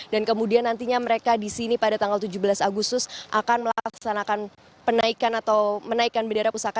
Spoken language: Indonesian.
dan kemudian nantinya mereka di sini pada tanggal tujuh belas agustus akan melaksanakan penaikan atau menaikan bendera pusaka